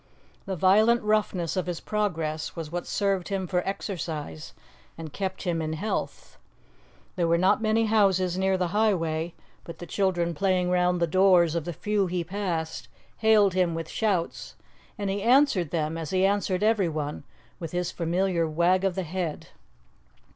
The violent roughness of his progress was what served him for exercise and kept him in health. There were not many houses near the highway, but the children playing round the doors of the few he passed hailed him with shouts, and he answered them, as he answered everyone, with his familiar wag of the head.